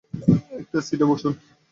একটা সিটে বসুন।